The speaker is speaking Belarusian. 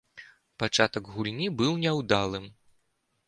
Пачатак гульні быў няўдалым.